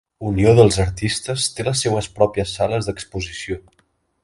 Unió dels artistes té les seues pròpies sales d'exposició.